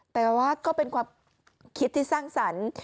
แต่ว่าก็เป็นความคิดที่สร้างสรรค์